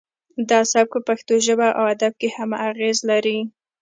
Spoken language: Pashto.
دا سبک په پښتو ژبه او ادب کې هم اغیز لري